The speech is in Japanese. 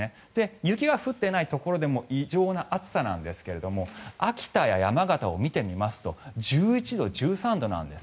雪が降っていないところでも異常な暑さなんですが秋田や山形を見てみますと１１度、１３度なんです。